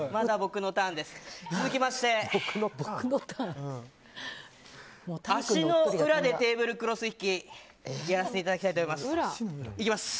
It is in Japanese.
続きまして足の裏でテーブルクロス引きやらせていただきたいと思います。